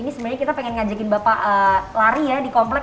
ini sebenarnya kita pengen ngajakin bapak lari ya di komplek